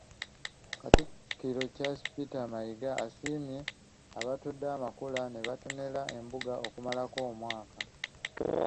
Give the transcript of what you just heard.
Katikkiro Charles Peter Mayiga asiimye abatodde amakula ne batonera embuga okumalako omwaka.